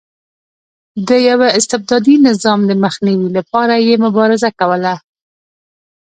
د یوه استبدادي نظام د مخنیوي لپاره یې مبارزه کوله.